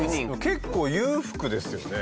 結構裕福ですよね。